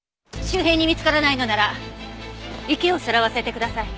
周辺に見つからないのなら池をさらわせてください。